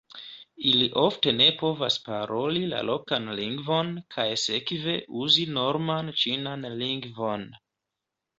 Ili ofte ne povas paroli la lokan lingvon kaj sekve uzi norman ĉinan lingvon.